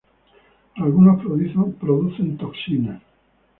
Algunos producen toxinas.